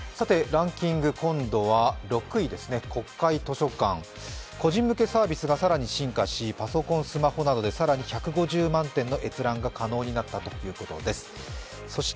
ランキング、今度は６位ですね、国会図書館、個人向けサービスが更に進化し、パソコン、スマホなどで更に１５０万点の閲覧が可能になったということです。